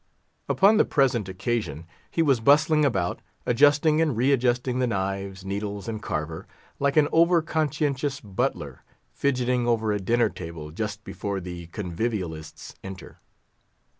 Upon the present occasion, he was bustling about, adjusting and readjusting the knives, needles, and carver, like an over conscientious butler fidgeting over a dinner table just before the convivialists enter.